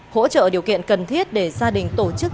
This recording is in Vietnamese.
hỗ trợ điều kiện cần thiết để gia đình tổ chức